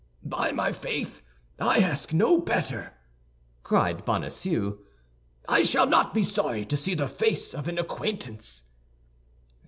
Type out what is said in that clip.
"By my faith, I ask no better," cried Bonacieux; "I shall not be sorry to see the face of an acquaintance."